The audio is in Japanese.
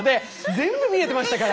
全部見えてましたから。